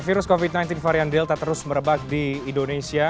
virus covid sembilan belas varian delta terus merebak di indonesia